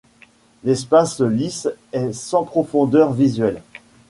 L’espace lisse est sans profondeur visuelle.